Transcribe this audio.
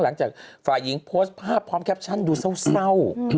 หลังจากฝ่ายหญิงโพสต์ภาพพร้อมแคปชั่นดูเศร้า